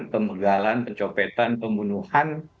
pemegalan pencopetan pembunuhan